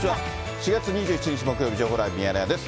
４月２１日木曜日、情報ライブミヤネ屋です。